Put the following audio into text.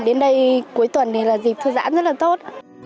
đến đây cuối tuần thì là dịp thư giãn rất là tốt